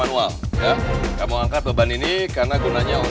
nah mana ternyata keluarin